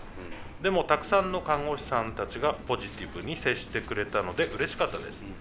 でもたくさんの看護師さんたちがポジティブに接してくれたのでうれしかったです。